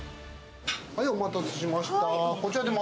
はい、お待たせしました。